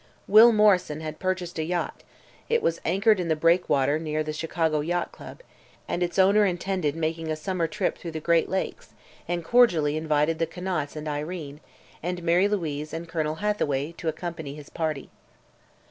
Will Morrison had purchased a yacht; it was anchored in the breakwater near the Chicago Yacht Club, and its owner intended making a summer trip through the Great Lakes and cordially invited the Conants and Irene, and Mary Louise and Colonel Hathaway to accompany his party.